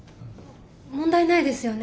問題ないですよね？